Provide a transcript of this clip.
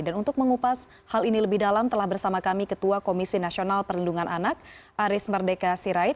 dan untuk mengupas hal ini lebih dalam telah bersama kami ketua komisi nasional perlindungan anak aris merdeka sirait